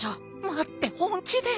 待って本気で！？